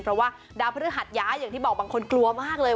เพราะว่าดาวพฤหัสย้ายอย่างที่บอกบางคนกลัวมากเลย